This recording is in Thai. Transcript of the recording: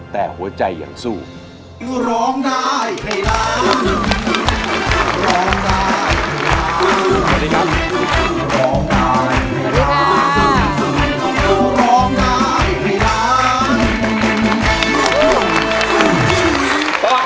แต่หัวใจอย่างสุด